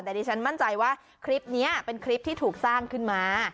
แต่ดิฉันมั่นใจว่าคลิปนี้เป็นคลิปที่ถูกสร้างขึ้นมา